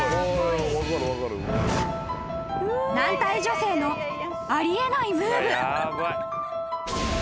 ［軟体女性のあり得ないムーブ］